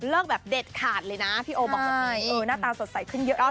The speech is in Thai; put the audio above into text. แบบเด็ดขาดเลยนะพี่โอบอกแบบนี้หน้าตาสดใสขึ้นเยอะมาก